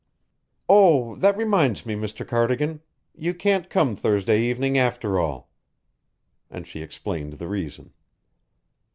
"Oh, that reminds me, Mr. Cardigan. You can't come Thursday evening, after all." And she explained the reason.